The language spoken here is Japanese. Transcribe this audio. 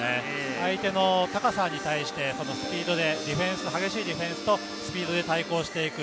相手の高さに対してスピードでディフェンス、激しいディフェンスとスピードで対抗していく。